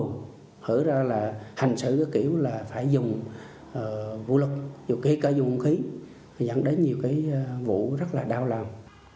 thở ra là hành xử kiểu là phải dùng vũ lực dù kể cả dùng khí dẫn đến nhiều cái vụ rất là đau lòng